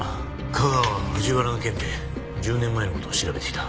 架川は藤原の件で１０年前の事を調べていた。